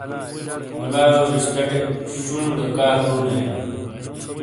ملائیو رشتہ ٹے شُوں گا کا دُو نہ اینا۔